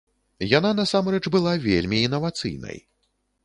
Яна насамрэч была вельмі інавацыйнай.